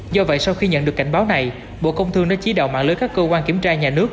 do vậy sau khi nhận được cảnh báo này bộ công thương đã chỉ đạo mạng lưới các cơ quan kiểm tra nhà nước